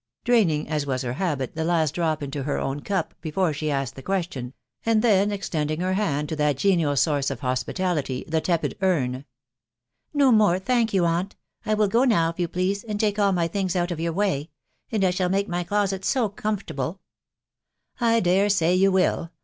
•• draining, as was her habit, the last drop into her own cup before she asked the question, and then extending her hand to that genial source of hospitality, the tepid urn. a No more, thank you, aunt. ... I will go now, if you please, and take all my things out of your way •••• and I shall make my closet so comfortable !...."'€€ J dare say you will.